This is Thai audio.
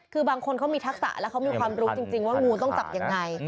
คือบางคนเขามีทักษะแล้วเขามีความรู้จริงว่างูต้องจับยังไง